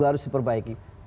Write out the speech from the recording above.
kita harus diperbaiki